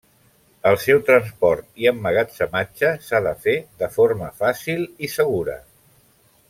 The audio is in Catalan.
El seu transport i emmagatzematge s'ha de fer de forma fàcil i segura.